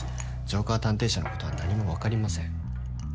ジョーカー探偵社のことは何も分かりません。